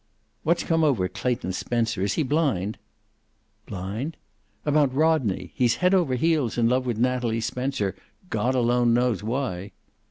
"What's come over Clayton Spencer? Is he blind?" "Blind?" "About Rodney. He's head over heels in love with Natalie Spencer, God alone knows why."